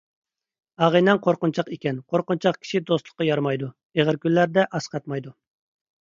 ئاغىنەڭ قورقۇنچاق ئىكەن، قورقۇنچاق كىشى دوستلۇققا يارىمايدۇ، ئېغىر كۈنلەردە ئەسقاتمايدۇ.